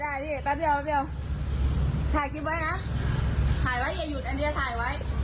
ถ่ายไว้อย่าหยุดอันเดียวถ่ายไว้